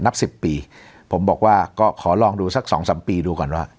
นับ๑๐ปีผมบอกว่าก็ขอลองดูสัก๒๓ปีดูก่อนท่ะ